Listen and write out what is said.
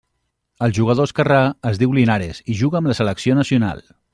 El jugador esquerrà es diu Linares i juga amb la selecció nacional.